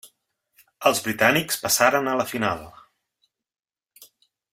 Els britànics passaren a la final.